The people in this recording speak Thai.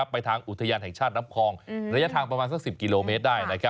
ไปทางอุทยานแห่งชาติน้ำพองระยะทางประมาณสัก๑๐กิโลเมตรได้